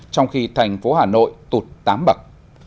trong khi thành phố hà nội tụt tám bậc